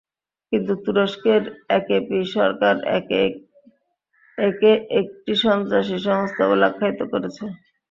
কিন্তু তুরস্কের একেপি সরকার একে একটি সন্ত্রাসী সংস্থা বলে আখ্যায়িত করেছে।